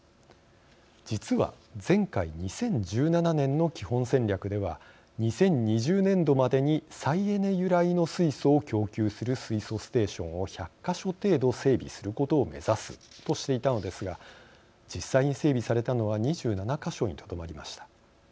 実は前回２０１７年の基本戦略では２０２０年度までに再エネ由来の水素を供給する水素ステーションを１００か所程度整備することを目指すとしていたのですが実際に整備されたのは２７か所にとどまりました。